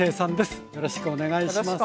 よろしくお願いします。